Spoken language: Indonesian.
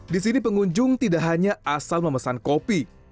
di sini pengunjung tidak hanya asal memesan kopi